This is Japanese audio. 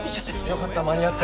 よかった間に合って。